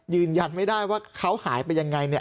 ยืนยันไม่ได้ว่าเขาหายไปยังไงเนี่ย